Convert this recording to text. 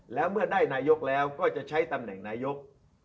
แล้วเมื่อได้นายกแล้วก็จะใช้ตำแหน่งนายก